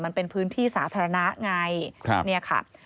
มันเป็นพื้นที่สาธารณะไงเนี่ยค่ะ